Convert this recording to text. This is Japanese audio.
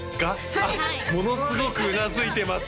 はいものすごくうなずいてますね